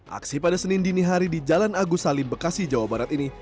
aksi pada senin dini hari di jalan agus salim bekasi jawa barat ini